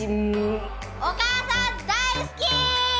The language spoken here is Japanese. お母さん大好き！